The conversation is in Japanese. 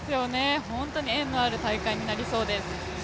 縁のある大会になりそうです。